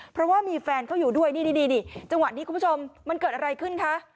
เพราะว่ามีแฟนเขาอยู่ด้วยนี่จังหวะนี้คุณผู้ชมมันเกิดอะไรขึ้นคะ